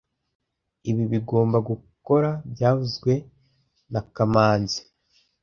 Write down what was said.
Ibi bigomba gukora byavuzwe na kamanzi